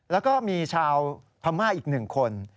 แล้วก็มีชาวพม่าอีก๑คน